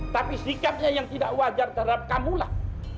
tapi sikapnya yang tidak wajar terhadap kamulah